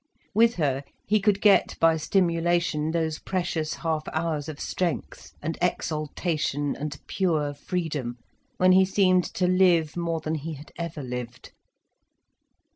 With her, he could get by stimulation those precious half hours of strength and exaltation and pure freedom, when he seemed to live more than he had ever lived.